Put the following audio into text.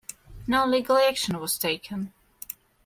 No legal action was taken.